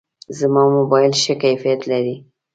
زما موبایل ښه کیفیت لري.